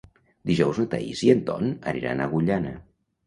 Dijous na Thaís i en Ton aniran a Agullana.